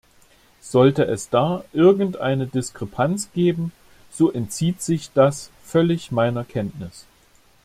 Sollte es da irgendeine Diskrepanz geben, so entzieht sich das völlig meiner Kenntnis.